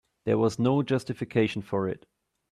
There was no justification for it.